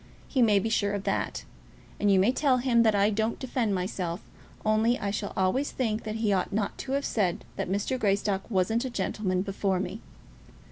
He may be sure of that. And you may tell him that I don't defend myself, only I shall always think that he ought not to have said that Mr. Greystock wasn't a gentleman before me."